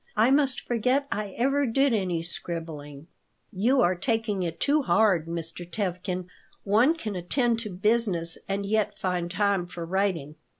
I must forget I ever did any scribbling." "You are taking it too hard, Mr. Tevkin. One can attend to business and yet find time for writing."